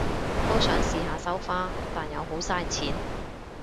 都想試下收花，但又好晒錢